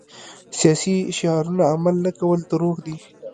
سیاسي شعارونه عمل نه کول دروغ دي.